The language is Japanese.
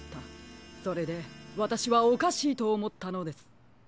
それでわたしはおかしいとおもったのです。